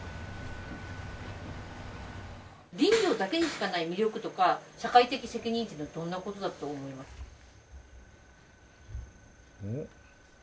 林業だけにしかない魅力とか社会的責任っていうのはどんなことだと思いますか？